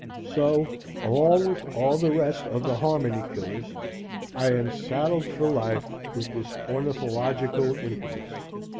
So, along with all the rest of the harmony killers, I am saddled for life with this ornithological incubus.